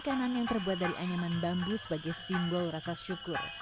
dan penang yang terbuat dari anyaman bambu sebagai simbol rasa syukur